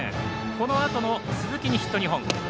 このあとの鈴木にヒット２本。